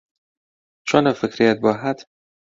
چۆن ئەو فکرەیەت بۆ ھات؟